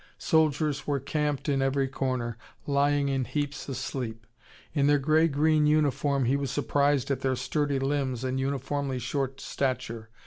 Soldiers were camped in every corner, lying in heaps asleep. In their grey green uniform, he was surprised at their sturdy limbs and uniformly short stature.